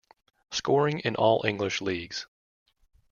Scoring in all English leagues.